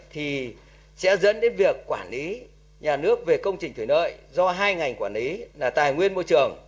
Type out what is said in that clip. thì sẽ dẫn đến việc quản lý nhà nước về công trình thủy lợi do hai ngành quản lý là tài nguyên môi trường